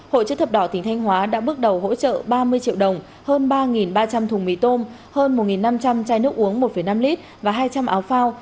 hội chức thập đỏ tỉnh thanh hóa đã bước đầu hỗ trợ ba mươi triệu đồng hơn ba ba trăm linh thùng mì tôm hơn một năm trăm linh chai nước uống một năm lít và hai trăm linh áo phao